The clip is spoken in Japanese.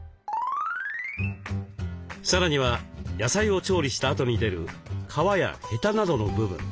さらには野菜を調理したあとに出る皮やヘタなどの部分。